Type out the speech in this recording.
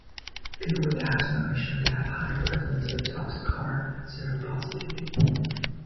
People with asthma are shown to have a higher prevalence of "Toxocara" seropositivity.